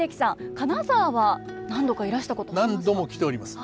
金沢は何度かいらしたことありますか？